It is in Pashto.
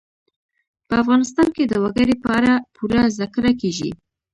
په افغانستان کې د وګړي په اړه پوره زده کړه کېږي.